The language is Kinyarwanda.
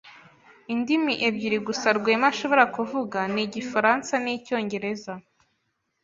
Indimi ebyiri gusa Rwema ashobora kuvuga ni Igifaransa n'Icyongereza.